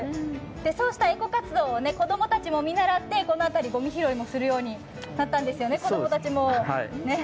そうしたエコ活動を子供たちも見習ってこの辺り、子供たちもごみ拾いをするようになったんですよね。